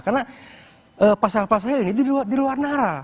karena pasal pasalnya ini di luar nara